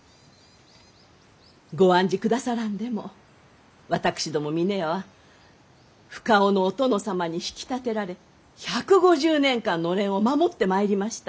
ご案じくださらんでも私ども峰屋は深尾のお殿様に引き立てられ１５０年間のれんを守ってまいりました。